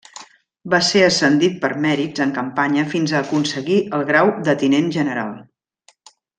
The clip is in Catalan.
Va ser ascendit per mèrits en campanya fins a aconseguir el grau de Tinent General.